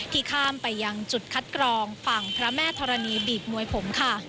ข้ามไปยังจุดคัดกรองฝั่งพระแม่ธรณีบีบมวยผมค่ะ